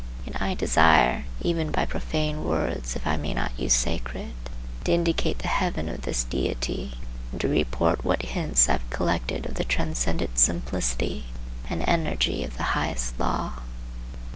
Yet I desire, even by profane words, if I may not use sacred, to indicate the heaven of this deity and to report what hints I have collected of the transcendent simplicity and energy of the Highest Law.